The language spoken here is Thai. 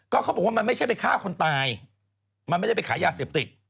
เขาบอกว่ามันไม่ใช่ไปฆ่าคนตายมันไม่ได้ไปขายยาเสพติด